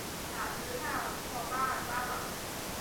卡斯泰尔诺巴尔巴朗。